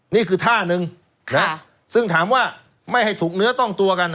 นี่คือท่านึงซึ่งถามว่าไม่ให้ถูกเนื้อต้องตัวกัน